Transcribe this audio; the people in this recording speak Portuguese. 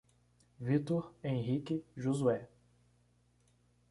Vítor, Henrique, Josué